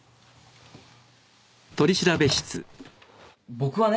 僕はね